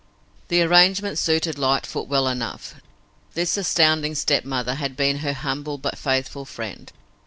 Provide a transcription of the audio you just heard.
The arrangement suited Lightfoot well enough. This astounding stepmother had been her humble but faithful friend.